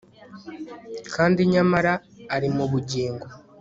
Kandi nyamara ari mu bugingo